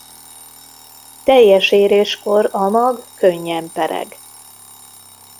Teljes éréskor a mag könnyen pereg.